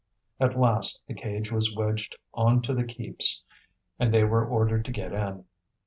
At last the cage was wedged on to the keeps, and they were ordered to get in.